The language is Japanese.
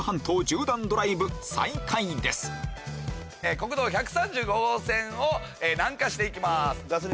国道１３５号線を南下していきます。